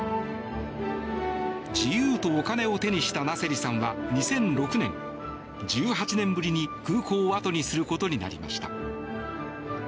自由とお金を手にしたナセリさんは２００６年、１８年ぶりに空港を後にすることになりました。